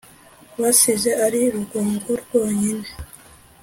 basize ari urugongo rwonyine